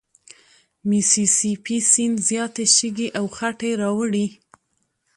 میسي سي پي سیند زیاتي شګې او خټې راوړي.